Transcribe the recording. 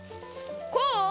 こう？